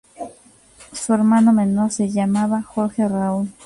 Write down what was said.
Su hermano menor se llamaba Jorge Raúl.